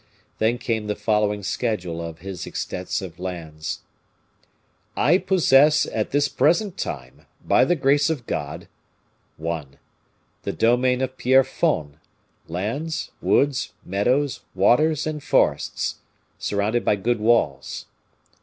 Then came the following schedule of his extensive lands: "I possess at this present time, by the grace of God "1. The domain of Pierrefonds, lands, woods, meadows, waters, and forests, surrounded by good walls.